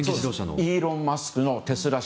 イーロン・マスクのテスラ社。